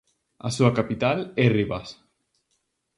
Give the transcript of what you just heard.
A súa capital é Rivas.